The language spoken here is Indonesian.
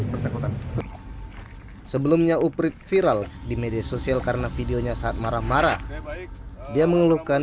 bersangkutan sebelumnya uprit viral di media sosial karena videonya saat marah marah dia mengeluhkan